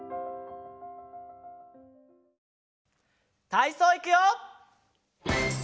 たいそういくよ！